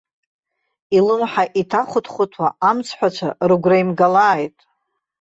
Илымҳа иҭахәыҭхәыҭуа амцҳәацәа рыгәра имгалааит.